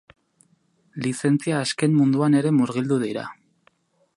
Lizentzia askeen munduan ere murgildu dira.